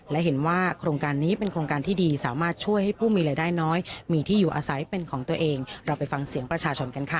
และเห็นว่าโครงการนี้เป็นโครงการที่ดีสามารถช่วยให้ผู้มีรายได้น้อยมีที่อยู่อาศัยเป็นของตัวเองเราไปฟังเสียงประชาชนกันค่ะ